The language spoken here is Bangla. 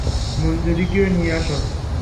মঞ্জুরীকেও নিয়ে আসো।